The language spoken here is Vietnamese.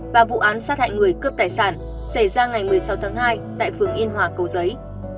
và vụ án sát hại người cướp tài sản xảy ra ngày một mươi sáu tháng hai tại phường yên hòa cầu giấy